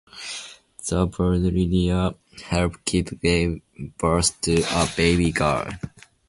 The Baudelaires help Kit give birth to a baby girl.